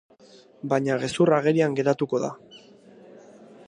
Baina gezurra agerian geratuko da.